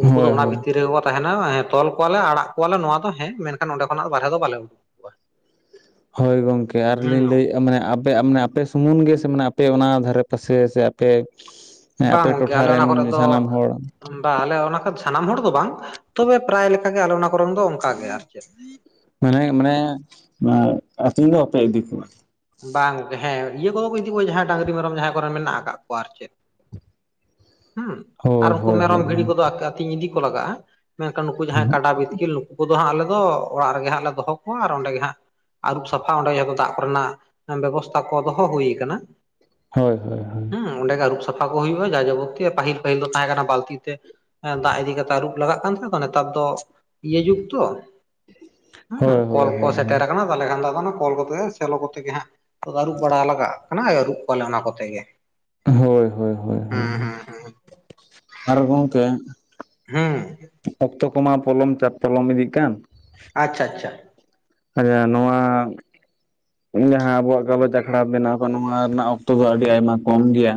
ᱩᱱᱠᱩ ᱫᱚ ᱦᱳᱭ ᱚᱱᱟ ᱦᱳᱭ ᱵᱷᱤᱛᱤᱨ ᱨᱮᱜᱮ ᱠᱚ ᱛᱟᱦᱮᱱᱟ ᱛᱚᱞ ᱠᱚᱣᱟᱞᱮ ᱟᱲᱟᱜ ᱠᱚᱣᱟᱞᱮ ᱱᱚᱣᱟ ᱫᱚ ᱦᱮᱸ ᱢᱮᱱᱠᱷᱟᱱ ᱱᱚᱰᱮ ᱠᱷᱚᱱᱟᱜ ᱵᱟᱨᱦᱮ ᱫᱚ ᱵᱟᱞᱮ ᱩᱰᱩᱠ ᱠᱚᱣᱟ ᱦᱳᱭ ᱜᱚᱝᱠᱮ ᱟᱨ ᱦᱮᱸ ᱞᱤᱧ ᱞᱟᱹᱭᱮᱜ ᱢᱟᱱᱮ ᱟᱯᱮ ᱢᱮ ᱟᱯᱮ ᱥᱩᱢᱩᱱᱝ ᱜᱮ ᱥᱮ ᱢᱟᱱᱮ ᱟᱯᱮ ᱚᱱᱟ ᱫᱷᱟᱨᱮ ᱯᱟᱥᱮ ᱥᱮ ᱟᱯᱮ ᱦᱮᱸ ᱵᱟᱝ ᱟᱯᱮ ᱜᱚᱝᱠᱮ ᱴᱚᱴᱷᱟ ᱟᱞᱮ ᱚᱱᱟ ᱨᱮᱱ ᱠᱚᱨᱮ ᱫᱚ ᱥᱟᱱᱟᱢ ᱦᱚᱲ ᱵᱟ ᱟᱞᱮ ᱚᱱᱟ ᱠᱚ ᱥᱟᱱᱟᱢ ᱦᱚᱲ ᱫᱚ ᱵᱟᱝ ᱛᱚᱵᱮ ᱯᱨᱟᱭ ᱞᱮᱠᱟᱜᱮ ᱟᱞᱮ ᱚᱱᱟ ᱠᱚᱨᱮᱱ ᱫᱚ ᱚᱱᱠᱟ ᱜᱮ ᱟᱨ ᱪᱮᱫ ᱢᱟᱱᱮ ᱢᱟᱱᱮ ᱟᱹᱛᱤᱧ ᱫᱚ ᱵᱟᱯᱮ ᱤᱫᱤ ᱠᱚᱣᱟ ᱵᱟᱝ ᱦᱮᱸ ᱤᱭᱟᱹ ᱠᱚᱫᱚ ᱠᱚ ᱤᱫᱤ ᱠᱚᱣᱟ ᱡᱟᱦᱟᱸᱭ ᱰᱟᱝᱨᱤ ᱢᱮᱨᱚᱢ ᱡᱟᱦᱟᱸᱭ ᱠᱚᱨᱮᱱ ᱢᱮᱱᱟᱜ ᱟᱠᱟᱫ ᱠᱚᱣᱟ ᱟᱨ ᱪᱮᱫ ᱦᱩᱸ ᱟᱨ ᱦᱳᱭ ᱩᱱᱠᱩ ᱦᱳᱭ ᱢᱮᱨᱚᱢ ᱦᱳᱭ ᱵᱷᱤᱲᱤ ᱠᱚᱫᱚ ᱟᱹᱛᱤᱧ ᱤᱫᱤ ᱠᱚ ᱞᱟᱜᱟᱼᱟ ᱢᱮᱱᱠᱷᱟᱱ ᱱᱩᱠᱩ ᱡᱟᱦᱟᱸᱭ ᱠᱟᱰᱟ ᱵᱤᱛᱠᱤᱞ ᱩᱱᱠᱩ ᱫᱚ ᱦᱟᱸᱜ ᱟᱞᱮ ᱫᱚ ᱚᱲᱟᱜ ᱨᱮᱜᱮ ᱦᱟᱸᱜ ᱞᱮ ᱫᱚᱦᱚ ᱠᱚᱣᱟ ᱟᱨ ᱚᱸᱰᱮ ᱜᱮ ᱦᱟᱸᱜ ᱟᱹᱨᱩᱵ ᱥᱟᱯᱷᱟ ᱚᱸᱰᱮ ᱡᱚᱛᱚ ᱫᱟᱜ ᱠᱚᱨᱮᱱᱟᱜ ᱵᱮᱵᱚᱥᱛᱷᱟ ᱠᱚ ᱫᱚᱦᱚ ᱦᱩᱭ ᱠᱟᱱᱟ ᱦᱳᱭ ᱦᱳᱭ ᱦᱳᱭ ᱦᱩᱸ ᱚᱸᱰᱮ ᱜᱮ ᱟᱹᱨᱩᱵ ᱥᱟᱷᱟ ᱠᱚ ᱦᱩᱭᱩᱜᱼᱟ ᱡᱟ ᱡᱟᱵᱚᱛᱤ ᱯᱟᱹᱦᱤᱞ ᱯᱟᱹᱦᱤᱞ ᱫᱚ ᱛᱟᱦᱮᱸ ᱠᱟᱱᱟ ᱵᱟᱞᱛᱤ ᱛᱮ ᱫᱟᱜ ᱤᱫᱤ ᱠᱟᱛᱮ ᱟᱨᱩᱵ ᱞᱟᱜᱟᱜ ᱠᱟᱱ ᱛᱟᱦᱮᱸ ᱛᱚ ᱱᱮᱛᱟᱨ ᱫᱚ ᱤᱭᱟᱹ ᱡᱩᱜᱽ ᱛᱚ ᱦᱩᱸ ᱠᱚᱞ ᱦᱳᱭ ᱠᱚ ᱦᱳᱭ ᱥᱮᱴᱮᱨ ᱠᱟᱱᱟ ᱛᱟᱦᱚᱞᱮ ᱠᱷᱟᱱ ᱫᱚ ᱟᱫᱚ ᱚᱱᱟ ᱠᱚᱞ ᱠᱚᱛᱮ ᱥᱮᱞᱚ ᱠᱚᱛᱮ ᱜᱮ ᱦᱟᱸᱜ ᱟᱹᱨᱩᱵ ᱵᱟᱲᱟ ᱞᱟᱜᱟᱜᱼᱟ ᱚᱱᱟ ᱟᱹᱨᱩᱵ ᱠᱚᱣᱟᱞᱮ ᱚᱱᱟ ᱠᱚᱛᱮ ᱜᱮ ᱦᱳᱭ ᱦᱳᱭ ᱦᱩᱸ ᱦᱳᱭ ᱦᱩᱸ ᱦᱩᱸ ᱟᱨ ᱜᱚᱝᱠᱮ ᱦᱩᱸ ᱚᱠᱛᱚ ᱠᱚᱢᱟ ᱯᱚᱞᱚᱢ ᱛᱟᱵ ᱯᱚᱞᱚᱢ ᱤᱫᱤᱜ ᱠᱟᱱ᱾ ᱟᱪᱪᱷᱟ ᱟᱪᱪᱷᱟ ᱟᱪᱪᱷᱟ ᱱᱚᱣᱟ ᱡᱟᱦᱟᱸ ᱟᱵᱚᱣᱟᱜ ᱜᱟᱞᱚᱪ ᱟᱠᱷᱲᱟ ᱵᱮᱱᱟᱣ ᱱᱚᱣᱟ ᱨᱮᱱᱟᱜ ᱚᱠᱛᱚ ᱫᱚ ᱟᱹᱰᱤ ᱟᱭᱢᱟ ᱠᱚᱢ ᱜᱮᱭᱟ᱾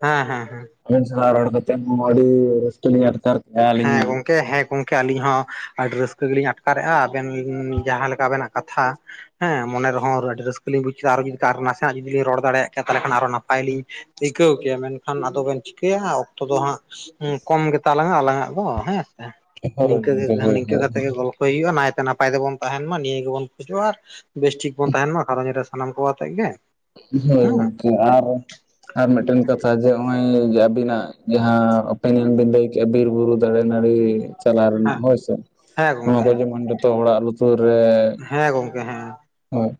ᱦᱮᱸ ᱦᱮᱸ ᱦᱮᱸ ᱟᱵᱮᱱ ᱥᱟᱞᱟᱜ ᱨᱚᱲ ᱠᱟᱛᱮᱫ ᱦᱚᱸ ᱟᱹᱰᱤ ᱨᱟᱹᱥᱠᱟᱹᱞᱤᱧ ᱟᱴᱠᱟᱨ ᱠᱮᱜᱼᱟ ᱟᱹᱞᱤᱧ ᱦᱮᱸ ᱢᱟ ᱜᱚᱝ ᱠᱮ ᱦᱮᱸ ᱜᱚᱝᱠᱮ ᱟᱹᱞᱤᱧ ᱦᱚᱸ ᱟᱹᱰᱤ ᱟᱹᱰᱤ ᱨᱟᱹᱥᱠᱟᱹ ᱜᱮᱞᱤᱧ ᱟᱴᱠᱟᱨᱮᱜ-ᱟ ᱟᱵᱮᱱ ᱡᱟᱦᱟᱸ ᱞᱮᱠᱟ ᱟᱵᱮᱱᱟᱜ ᱠᱟᱛᱷᱟ᱾ ᱦᱮᱸ ᱢᱚᱱᱮ ᱨᱮᱦᱚᱸ ᱟᱹᱰᱤ ᱨᱟᱹᱥᱠᱟᱹ ᱞᱤᱧ ᱵᱩᱡ ᱠᱮᱫᱟ ᱟᱨ ᱡᱩᱫᱤ ᱟᱨ ᱱᱟᱥᱮᱱᱟᱜ ᱡᱩᱫᱤᱧ ᱨᱚᱲ ᱫᱟᱲᱮᱭᱟᱜᱮᱭᱟ ᱛᱟᱦᱚᱞᱮ ᱠᱷᱟᱱ ᱟᱨ ᱱᱟᱯᱟᱭ ᱞᱤᱧ ᱟᱹᱭᱠᱟᱹᱣ ᱠᱮᱭᱟ ᱢᱮᱱᱠᱷᱟᱱ ᱟᱫᱚ ᱵᱮᱱ ᱪᱤᱠᱟᱹᱭᱟ ᱚᱠᱛᱚ ᱫᱚ ᱦᱟᱸᱜ ᱠᱚᱢ ᱜᱮᱛᱟᱞᱟᱝ-ᱟ ᱟᱞᱟᱝ ᱟᱜ ᱫᱚ ᱦᱮᱸ ᱥᱮ ᱦᱳᱭ ᱱᱤᱝᱠᱟᱹ ᱜᱮ ᱦᱳᱭ ᱱᱤᱝᱠᱟᱹ ᱦᱳᱭ ᱠᱟᱛᱮᱜᱮ ᱜᱚᱞ ᱦᱩᱭᱩᱜᱼᱟ ᱱᱟᱭᱛᱮ ᱱᱟᱯᱟᱭ ᱛᱮᱵᱚᱱ ᱛᱟᱦᱮᱸᱱ ᱢᱟ ᱱᱤᱭᱟᱹ ᱜᱮᱵᱚᱱ ᱠᱷᱚᱡᱚᱜᱼᱟ᱾ ᱵᱮᱥᱴᱷᱤᱠ ᱵᱚᱱ ᱛᱟᱦᱮᱸᱱ ᱢᱟ ᱜᱷᱟᱨᱚᱧᱡᱽ ᱨᱮ ᱥᱟᱱᱟᱢ ᱠᱚ ᱟᱛᱮᱜ ᱜᱮ᱾ ᱦᱳᱭ ᱦᱮᱸ ᱜᱚᱝᱠᱮ ᱟᱨ ᱟᱨ ᱢᱤᱫᱴᱮᱱ ᱠᱟᱛᱷᱟ ᱡᱮ ᱦᱚᱸᱜᱼᱚᱭ ᱟᱹᱵᱤᱱᱟᱜ ᱡᱟᱦᱟᱸ ᱚᱯᱮᱱᱤᱭᱚᱱ ᱵᱤᱱ ᱞᱟᱹᱭ ᱠᱮᱜ-ᱟ ᱵᱤᱨ ᱵᱩᱨᱩ ᱫᱟᱨᱮ ᱱᱟᱹᱲᱤ ᱪᱟᱞᱟᱣ ᱨᱮᱱᱟᱜ ᱦᱮᱸ ᱦᱳᱭᱥᱮ ᱦᱮᱸ ᱜᱚᱝᱠᱮ ᱱᱚᱣᱟ ᱠᱚ ᱦᱮᱸ ᱡᱮᱢᱚᱱ ᱛᱚ ᱚᱲᱟᱜ ᱞᱩᱛᱩᱨ ᱨᱮ ᱦᱮᱸ ᱜᱚᱝᱠᱮ ᱦᱮᱸ᱾ ᱦᱳᱭ